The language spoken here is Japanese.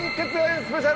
スペシャル